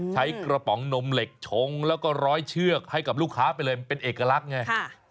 ใช้กระป๋องนมเหล็กชงแล้วก็ร้อยเชือกให้กับลูกค้าไปเลยมันเป็นเอกลักษณ์ไง